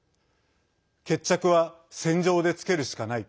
決着は戦場でつけるしかない。